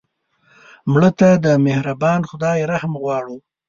مړه ته د مهربان خدای رحم غواړو